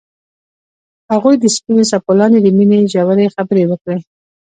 هغوی د سپین څپو لاندې د مینې ژورې خبرې وکړې.